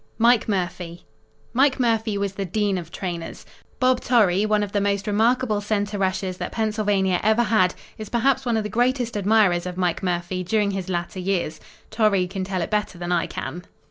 Mike Murphy Mike Murphy was the dean of trainers. Bob Torrey, one of the most remarkable center rushes that Pennsylvania ever had, is perhaps one of the greatest admirers of Mike Murphy during his latter years. Torrey can tell it better than I can.